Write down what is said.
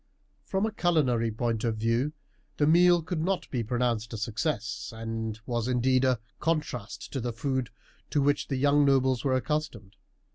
From a culinary point of view the meal could not be pronounced a success, and was, indeed, a contrast to the food to which the young nobles were accustomed.